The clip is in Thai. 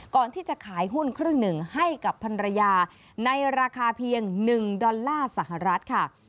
ก่อนที่จะขายหุ้นครึ่งหนึ่งให้กับพันรยาในราคาเพียง๑ดอลลาร์สหรัฐค่ะ